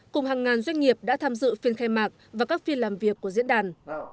cùng hàng ngàn doanh nghiệp đã tham dự phiên khai mạc và các phiên làm việc của diễn đàn